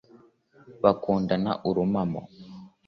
bakundana urumamo.